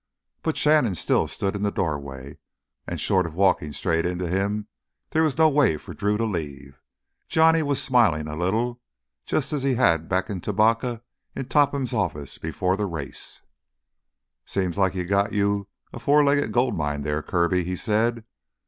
But Shannon still stood in the doorway, and short of walking straight into him there was no way for Drew to leave. Johnny was smiling a little—just as he had back in Tubacca in Topham's office before the race. "Seems like you've got you a four legged gold mine there, Kirby," he said.